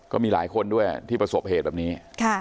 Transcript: ก็มีหลายคนด้วยที่ประสบเหตุแบบนี้